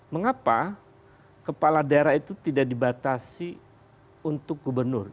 mengapa kepala daerah itu tidak dibatasi untuk gubernur